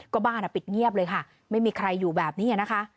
ก็บ้านปิดเงียบเลยค่ะไม่มีใครอยู่แบบนี้นะคะ